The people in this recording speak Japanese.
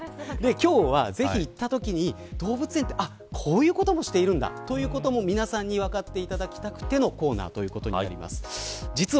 今日は、ぜひ行ったときに動物園ってこういうこともしているんだということを皆さんに分かっていただきたくてのコーナーということになります。